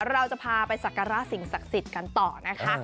เราจะพาไปสักการะสิ่งศักดิ์สิทธิ์กันต่อนะคะ